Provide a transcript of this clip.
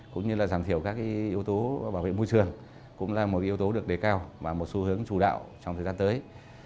cũng như là giảm thiểu các yếu tố bảo vệ môi trường cũng là một yếu tố được đề cao và một xu hướng chủ đạo trong thời gian tới